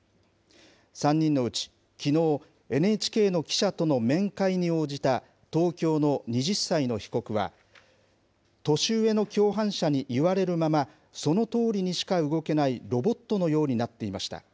３人のうち、きのう、ＮＨＫの記者との面会に応じた東京の２０歳の被告は、年上の共犯者に言われるまま、そのとおりにしか動けないロボットのようになっていました。